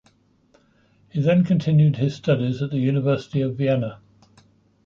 He then continued his studies at the University of Vienna.